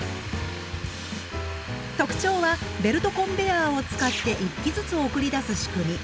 特徴はベルトコンベヤーを使って１機ずつ送り出す仕組み。